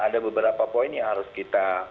ada beberapa poin yang harus kita